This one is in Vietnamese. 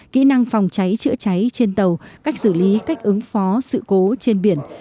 kỹ năng phòng cháy chữa cháy trên tàu cách xử lý cách ứng phó sự cố trên biển